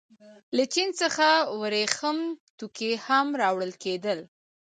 له چین څخه ورېښم توکي هم راوړل کېدل.